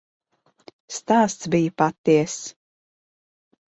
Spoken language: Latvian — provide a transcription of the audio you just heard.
Stāsts bija patiess.